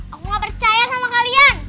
aku gak percaya sama kalian